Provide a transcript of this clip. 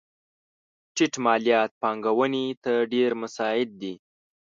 ټیټ مالیات پانګونې ته ډېر مساعد دي.